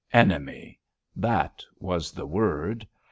Enemy—that was the word.